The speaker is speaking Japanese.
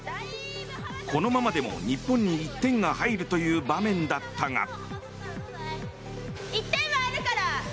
このままでも日本に１点が入るという場面だったが。